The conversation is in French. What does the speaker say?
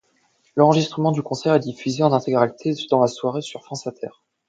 L'enregistrement du concert est diffusé en intégralité dans la soirée sur France Inter.